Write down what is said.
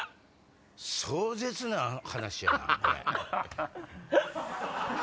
壮絶な話やな！